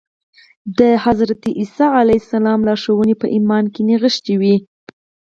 د حضرت عیسی علیه السلام لارښوونې په ایمان کې نغښتې وې